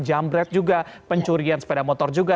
jump draft juga pencurian sepeda motor juga